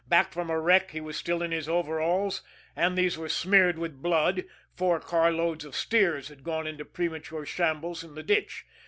Back from a wreck, he was still in his overalls, and these were smeared with blood four carloads of steers had gone into premature shambles in the ditch.